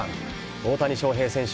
大谷翔平選手